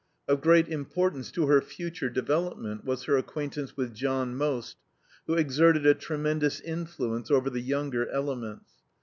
Of great importance to her future development was her acquaintance with John Most, who exerted a tremendous influence over the younger elements.